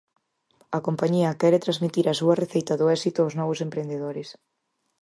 A compañía quere transmitir a súa receita do éxito aos novos emprendedores.